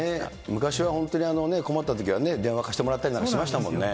昔は本当に困ったときは、電話貸してもらったりなんかしましたもんね。